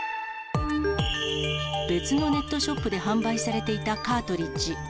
別のネットショップで販売されていたカートリッジ。